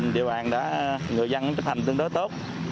địa bàn đã người dân chấp hành tương đối tốt